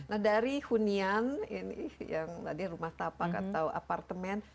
nah dari hunian ini yang tadi rumah tapak atau apartemen